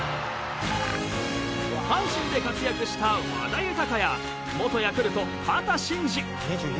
阪神で活躍した和田豊や元ヤクルト秦真司。